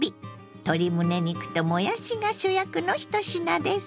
鶏むね肉ともやしが主役の１品です。